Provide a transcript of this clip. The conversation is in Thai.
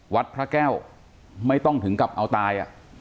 วัดพระแก้วไม่ต้องถึงกับเอาตาย